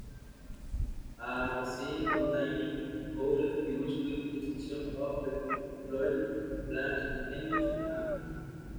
A Magazine Containing Coloured Figures with Descriptions of the Flowering Plants Indigenous in Africa.